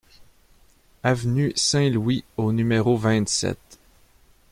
Avenue Saint-Louis au numéro vingt-sept